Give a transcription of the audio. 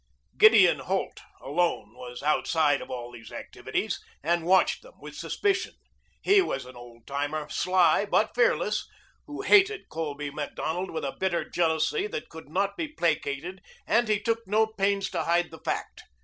Gideon Holt alone was outside of all these activities and watched them with suspicion. He was an old timer, sly but fearless, who hated Colby Macdonald with a bitter jealousy that could not be placated and he took no pains to hide the fact.